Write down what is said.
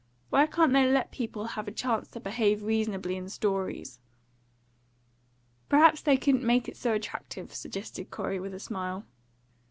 Why can't they let people have a chance to behave reasonably in stories?" "Perhaps they couldn't make it so attractive," suggested Corey, with a smile.